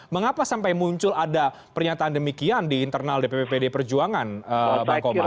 mengapa sampai muncul ada pernyataan demikian di internal dpp pd perjuangan bang komar